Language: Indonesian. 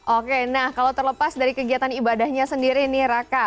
oke nah kalau terlepas dari kegiatan ibadahnya sendiri nih raka